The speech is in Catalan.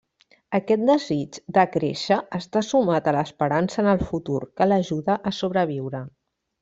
Aquest desig de créixer està sumat a l'esperança en el futur, que l'ajuda a sobreviure.